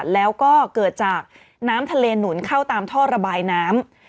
แล้วก็เกิดจากน้ำทะเลหนุนเข้าตามท่อระบายน้ำ